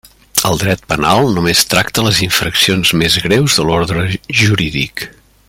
El dret penal només tracta les infraccions més greus de l'ordre jurídic.